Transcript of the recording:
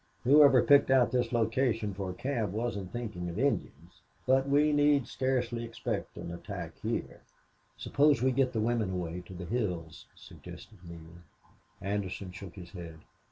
Whoever picked out this location for a camp wasn't thinking of Indians... But we need scarcely expect an attack here." "Suppose we get the women away to the hills," suggested Neale. Anderson shook his head.